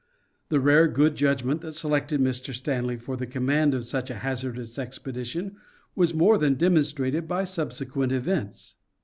The rare good judgment that selected Mr. Stanley for the command of such a hazardous expedition was more than demonstrated by subsequent events.